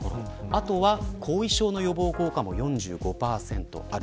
あとは後遺症の予防効果も４５％ある。